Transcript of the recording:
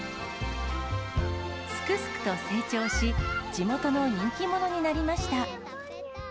すくすくと成長し、地元の人気者になりました。